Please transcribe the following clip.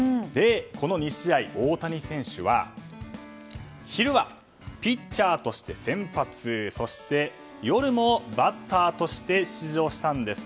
この２試合、大谷選手は昼はピッチャーとして夜もバッターとして出場したんです。